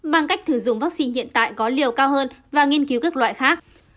mang cách thử dụng vaccine hiện tại có liều cao hơn và nghiên cứu các loại khác